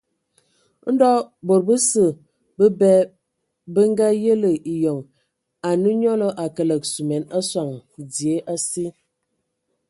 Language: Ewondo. Ndo bəsǝ bəbɛ bə ngayelə eyɔŋ, anə nyɔlɔ a kəlǝg suman a sɔŋ dzie asi.